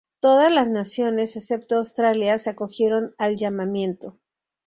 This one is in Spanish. Todas las naciones, excepto Australia, se acogieron al llamamiento.